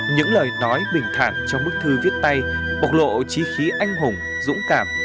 những lời nói bình thản trong bức thư viết tay bộc lộ trí khí anh hùng dũng cảm